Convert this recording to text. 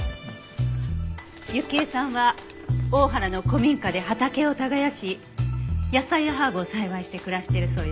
雪絵さんは大原の古民家で畑を耕し野菜やハーブを栽培して暮らしているそうよ。